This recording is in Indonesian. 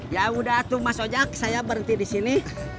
ya udah tuh mas ojek saya berhenti di sini